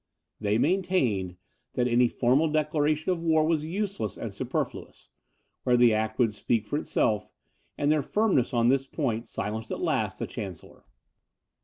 They maintained, that any formal declaration of war was useless and superfluous, where the act would speak for itself, and their firmness on this point silenced at last the chancellor.